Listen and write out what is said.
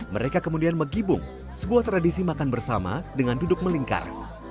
mereka kemudian megibung sebuah tradisi makan bersama dengan duduk melingkar